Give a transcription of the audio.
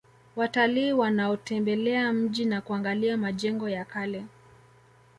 Watalii wanaotembelea mji na kuangalia majengo ya kale